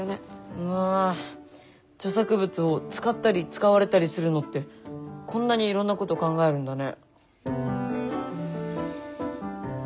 うわ著作物を使ったり使われたりするのってこんなにいろんなこと考えるんだね。